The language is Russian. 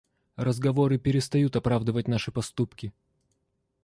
Разговоры перестают оправдывать наши поступки.